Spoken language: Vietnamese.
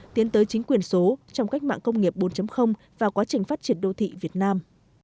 tiến tới chính quyền số trong cách mạng công nghiệp bốn và quá trình phát triển đô thị việt nam